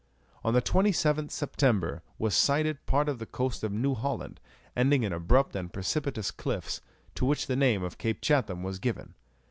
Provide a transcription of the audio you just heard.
On the 27th September was sighted part of the coast of New Holland, ending in abrupt and precipitous cliffs, to which the name of Cape Chatham was given.